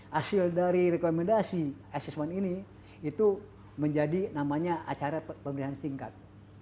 hasil dari rekomendasi assessment ini itu menjadi namanya acara pemberian singkat